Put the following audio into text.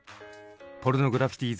ポルノグラフィティ